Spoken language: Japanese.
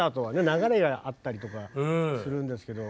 流れがあったりとかするんですけど。